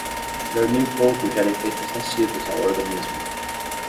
Dormir pouco gera efeitos nocivos ao organismo